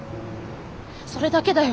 それだけだよ。